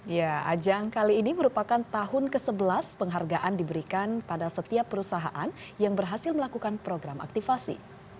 ya ajang kali ini merupakan tahun ke sebelas penghargaan diberikan pada setiap perusahaan yang berhasil melakukan program aktifasi